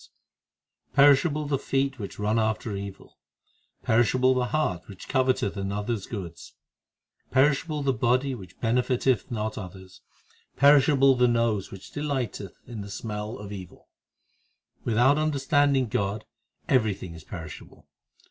HYMNS OF GURU ARJAN 213 Perishable the feet which run after evil ; Perishable the heart which coveteth another s goods ; Perishable the body which benefiteth not others ; Perishable the nose which delighteth in the smell of evil ; Without understanding God everything is perishable.